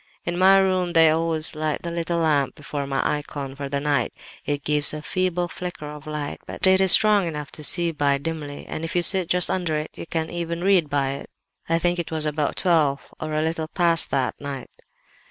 In my room they always light the little lamp before my icon for the night; it gives a feeble flicker of light, but it is strong enough to see by dimly, and if you sit just under it you can even read by it. I think it was about twelve or a little past that night.